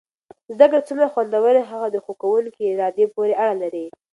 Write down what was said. زده کړه څومره خوندور وي هغه د ښو کوونکو ارادې پورې اړه لري.